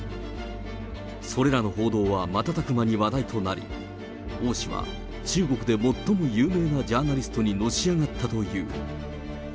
それらの報道は瞬く間に話題となり、王氏は中国で最も有名なジャーナリストにのし上がったという。